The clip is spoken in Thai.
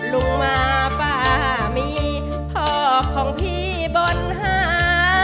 ลุงมาป้ามีพ่อของพี่บนหา